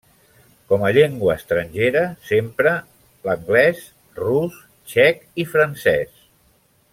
Com a llengua estrangera s'empra l'anglès, rus, txec i francès.